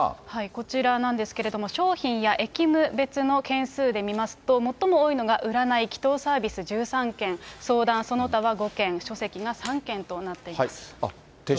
こちらなんですけれども、商品や役務別の件数で見ますと、最も多いのが占い、祈とう、サービス１３件、相談、その他は５件、書籍が３件となっています。